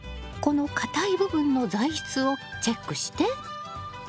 この硬い部分の材質をチェックして。